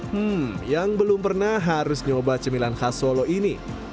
hmm yang belum pernah harus nyoba cemilan khas solo ini